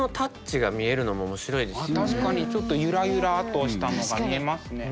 あ確かにちょっとゆらゆらとしたのが見えますね。